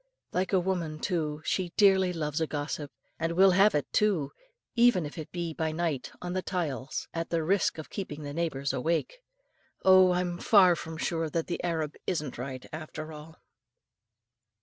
Like a woman, too, she dearly loves a gossip, and will have it too, even if it be by night on the tiles, at the risk of keeping the neighbours awake. Oh! I'm far from sure that the Arab isn't right, after all.